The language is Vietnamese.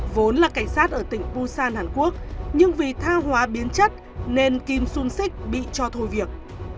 vốn là cảnh sát ở tỉnh pusan hàn quốc nhưng vì tha hóa biến chất nên kim xuân xích bị cho thôi việc